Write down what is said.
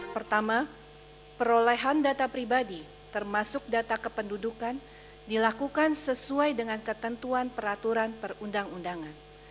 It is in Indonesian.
pertama perolehan data pribadi termasuk data kependudukan dilakukan sesuai dengan ketentuan peraturan perundang undangan